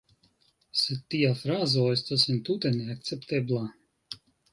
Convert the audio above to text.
Sed tia frazo estas entute neakceptebla.